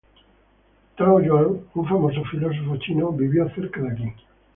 Tao Yuan, un famoso filósofo chino vivió cerca de aquí.